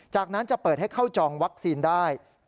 จากนั้นจะเปิดให้เข้าจองวัคซีนได้